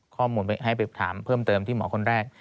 ข้อมูลให้ไปถามเพิ่มเติมที่หมอคนแรก